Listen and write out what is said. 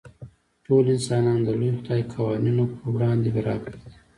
ټول انسانان د لوی خدای قوانینو په وړاندې برابر دي.